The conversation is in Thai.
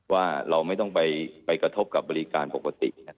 ว่าเราไม่ต้องไปกระทบกับบริการปกติ